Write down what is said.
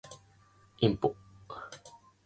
インコ